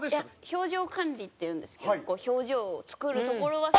表情管理っていうんですけど表情を作るところはすごい。